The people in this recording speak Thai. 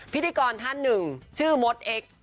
พิธีกรท่านหนึ่งชื่อมดเอ็กซ์